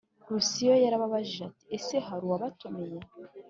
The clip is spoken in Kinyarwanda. Lucio yarababajije ati ese hari uwabatumiye